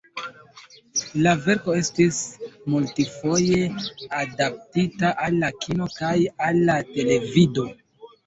La verko estis multfoje adaptita al la kino kaj al la televido.